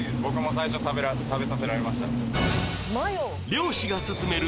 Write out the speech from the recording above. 漁師がすすめる